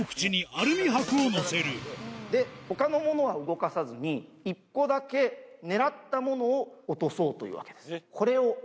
で、ほかのものは動かさずに、１個だけ狙ったものを落とそうというわけです。